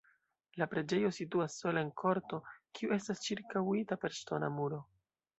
La preĝejo situas sola en korto, kiu estas ĉirkaŭita per ŝtona muro.